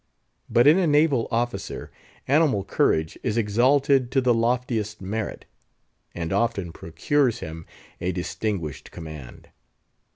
But in a naval officer, animal courage is exalted to the loftiest merit, and often procures him a distinguished command.